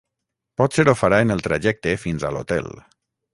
Potser ho farà en el trajecte fins a l'hotel.